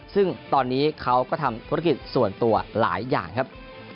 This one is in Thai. ซึ่งตอนนี้เขาก็ทำธุรกิจส่วนตัวหลายอย่างครับ